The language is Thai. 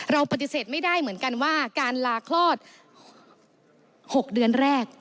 เราปฏิเสธไม่ได้เหมือนกันว่าการลาคลอด๖เดือนแรก